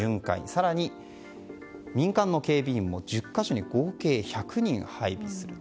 更に、民間の警備員も１０か所に合計１００人配備すると。